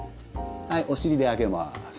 はいお尻で上げます。